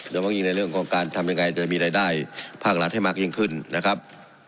โดยเพราะยิ่งในเรื่องของการทำยังไงจะมีรายได้ภาครัฐให้มากยิ่งขึ้นนะครับ